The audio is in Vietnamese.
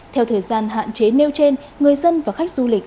theo thời gian hạn chế nêu trên người dân và khách du lịch